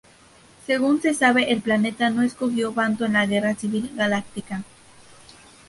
Según se sabe el planeta no escogió bando en la Guerra Civil Galáctica.